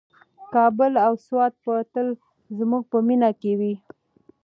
کابل او سوات به تل زموږ په مینه کې وي.